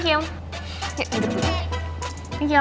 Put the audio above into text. thank you makasih